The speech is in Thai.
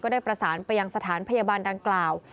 ได้ประสานไปยังสถานพยาบาลดังกล่าว